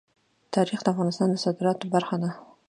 تاریخ د افغانستان د صادراتو برخه ده.